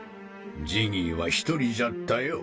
ジギーは一人じゃったよ。